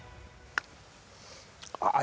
あっ。